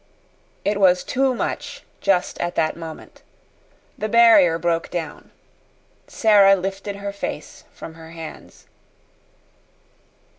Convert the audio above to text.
It was too much just at that moment. The barrier broke down. Sara lifted her face from her hands.